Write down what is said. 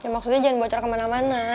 maksudnya jangan bocor kemana mana